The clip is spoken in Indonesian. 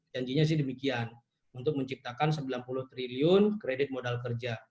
janjinya sih demikian untuk menciptakan sembilan puluh triliun kredit modal kerja